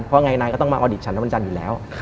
เพราะไงนายก็ต้องมาอดิตฉันในวันจันทร์อยู่แล้ว